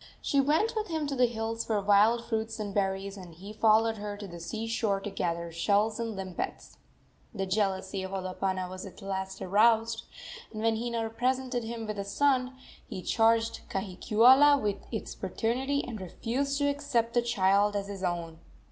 She went with him to the hills for wild fruits and berries, and he followed her to the sea shore to gather shells and limpets. The jealousy of Olopana was at last aroused, and when Hina presented him with a son he charged Kahikiula with its paternity and refused to accept the child as his own.